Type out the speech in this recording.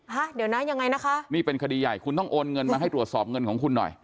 ฮะเดี๋ยวนะยังไงนะคะนี่เป็นคดีใหญ่คุณต้องโอนเงินมาให้ตรวจสอบเงินของคุณหน่อย